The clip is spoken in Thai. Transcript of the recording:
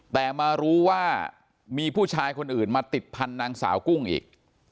แต่มารู้ว่ามีผู้ชายคนอื่นมาติดพันธุ์นางสาวกุ้งอีก